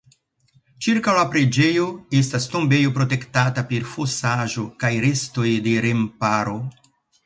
Ĉirkaŭ la preĝejo estas tombejo protektata per fosaĵo kaj restoj de remparo.